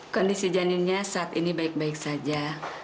kondisi janinnya saat ini baik baik saja